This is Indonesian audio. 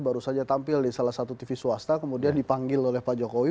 baru saja tampil di salah satu tv swasta kemudian dipanggil oleh pak jokowi